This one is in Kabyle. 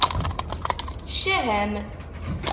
Ccah-am!